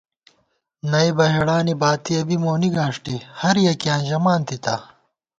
نئیبہ ہېڑانی باتِیَہ بی مونی گاݭٹے ہریَکِیاں ژمانتِتا